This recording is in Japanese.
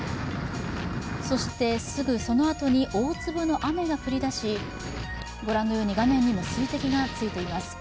そして、すぐそのあとに大粒の雨が降り出しご覧のように画面にも水滴がついています。